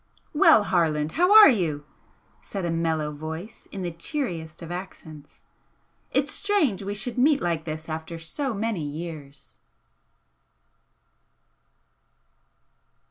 "Well, Harland, how are you?" said a mellow voice in the cheeriest of accents "It's strange we should meet like this after so many years!"